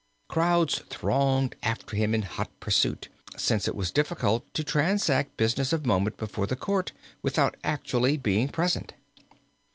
Crowds thronged after him in hot pursuit, since it was difficult to transact business of moment before the court without being actually present.